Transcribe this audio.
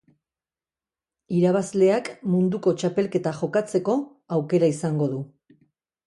Irabazleak munduko txapelketa jokatzeko aukera izango du.